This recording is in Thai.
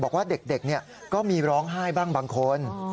บอกว่าเด็กก็มีร้องไห้บ้างบางคน